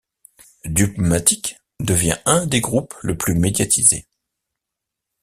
Dubmatique devient un des groupes le plus médiatisé.